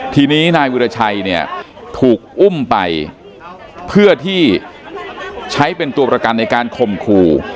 ทีนี้นายวิราชัยเนี่ยถูกอุ้มไปเพื่อที่ใช้เป็นตัวประกันในการข่มขู่